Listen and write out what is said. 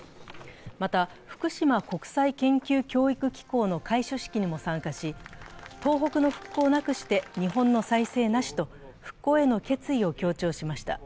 また、福島国際研究教育機構の開所式にも参加し、東北の復興なくして日本の再生なしと復興への決意を強調しました。